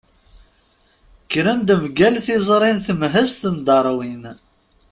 Kkren-d mgal tiẓri n temhezt n Darwin.